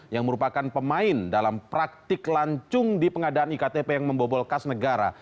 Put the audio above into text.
yang merupakan pemain dalam praktik lancung di pengadaan iktp yang membobol kas negara